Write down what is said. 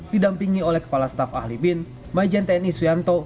didampingi oleh kepala staf ahli bin majen tni suyanto